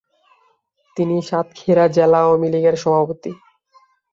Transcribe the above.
তিনি সাতক্ষীরা জেলা আওয়ামী লীগের সাভাপতি।